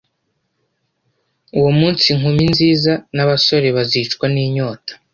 Uwo munsi inkumi nziza n’abasore bazicwa n’inyota.